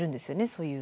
そういう。